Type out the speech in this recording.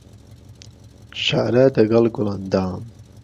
شەعره دهگهڵ گوڵەندام